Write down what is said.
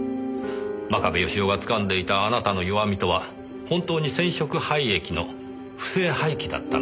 真壁義雄がつかんでいたあなたの弱みとは本当に染色廃液の不正廃棄だったのでしょうか？